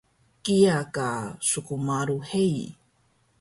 kiya ka skmalu hei